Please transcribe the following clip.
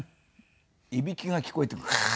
いびきが聞こえて「カーッ！」。